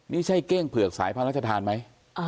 นี่ใช่เก้งเผือกสายพระราชทานไหม